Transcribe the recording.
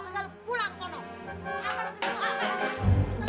nah lu ngapain masih di situ ha